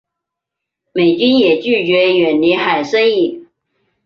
美军也拒绝远离海参崴。